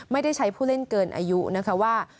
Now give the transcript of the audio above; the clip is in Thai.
ไม่ได้ใช้ผู้เล่นเกินอายุนะคะว่า